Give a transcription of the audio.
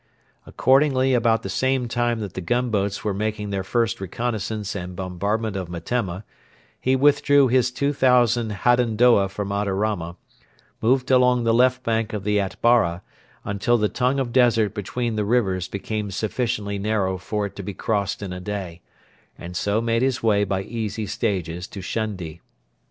Accordingly about the same time that the gunboats were making their first reconnaissance and bombardment of Metemma, he withdrew with his two thousand Hadendoa from Adarama, moved along the left bank of the Atbara until the tongue of desert between the rivers became sufficiently narrow for it to be crossed in a day, and so made his way by easy stages to Shendi.